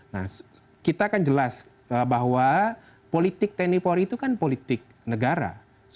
nah kita kan jelas bahwa politik tni polri itu kan politik negara